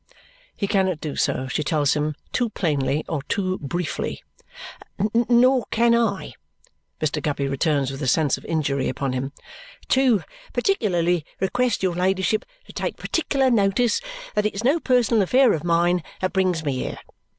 He cannot do so, she tells him, too plainly or too briefly. "Nor can I," Mr. Guppy returns with a sense of injury upon him, "too particularly request your ladyship to take particular notice that it's no personal affair of mine that brings me here.